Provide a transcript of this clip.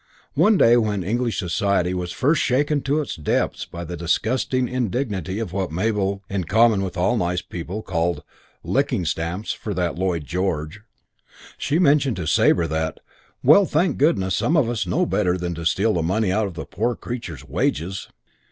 One day when English society was first shaken to its depths by the disgusting indignity of what Mabel, in common with all nice people, called "licking stamps for that Lloyd George", she mentioned to Sabre that, "Well, thank goodness some of us know better than to steal the money out of the poor creatures' wages."